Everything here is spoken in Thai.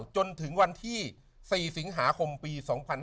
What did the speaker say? จนถึงวันที่๔สิงหาคมปี๒๕๕๙